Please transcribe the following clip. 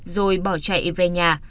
rồi bỏ chạy về nhà